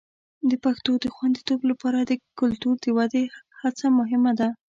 د پښتو د خوندیتوب لپاره د کلتور د ودې هڅه مهمه ده.